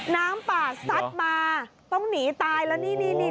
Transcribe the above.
น้ำป่าซัดมาต้องหนีตายแล้วนี่นี่